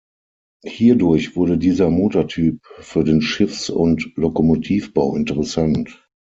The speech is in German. Hierdurch wurde dieser Motortyp für den Schiffs- und Lokomotivbau interessant.